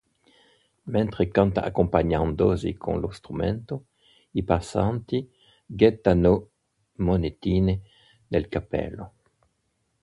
Mentre canta accompagnandosi con lo strumento, i passanti gettano monetine nel cappello.